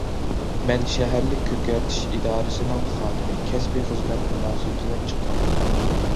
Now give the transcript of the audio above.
مەن شەھەرلىك كۆكەرتىش ئىدارىسىنىڭ خادىمى، كەسپىي خىزمەت مۇناسىۋىتى بىلەن چىققان.